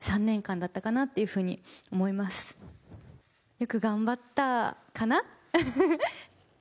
よく頑張ったかな。